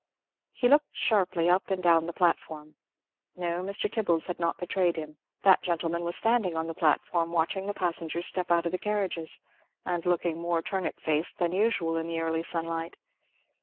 He looked sharply up and down the platform. No, Mr. Tibbles had not betrayed him. That gentleman was standing on the platform, watching the passengers step out of the carriages, and looking more turnip faced than usual in the early sunlight.